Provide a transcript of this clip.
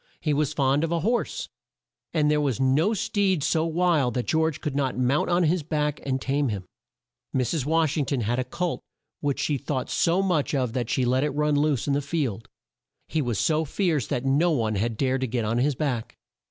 He was fond of a horse, and there was no steed so wild that George could not mount on his back and tame him. Mrs. Wash ing ton had a colt which she thought so much of that she let it run loose in the field. He was so fierce that no one had dared to get on his back.